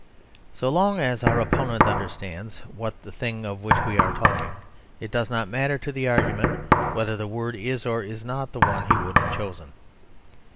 So long as our opponent understands what is the thing of which we are talking, it does not matter to the argument whether the word is or is not the one he would have chosen.